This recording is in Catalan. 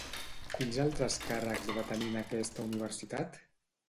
Quins altres càrrecs va tenir en aquesta universitat?